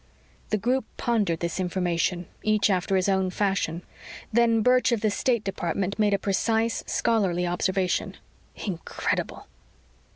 The group pondered this information, each after his own fashion. Then Birch of the State Department made a precise, scholarly observation. "Incredible!"